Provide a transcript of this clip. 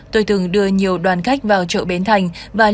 tôi thường đưa nhiều đoàn khách vào chợ bến thành